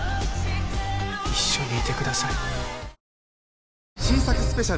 一緒にいてください。